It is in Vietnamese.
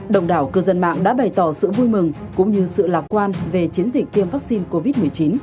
đồng đảo cư dân mạng đã bày tỏ sự vui mừng cũng như sự lạc quan về chiến dịch tiêm vaccine covid một mươi chín